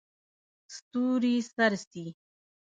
ستوري څرڅي.